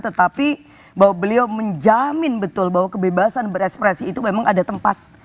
tetapi bahwa beliau menjamin betul bahwa kebebasan berekspresi itu memang ada tempat